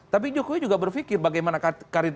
tapi jokowi juga berfikir bagaimana karir